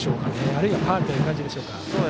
あるいはファウルという感じでしょうか。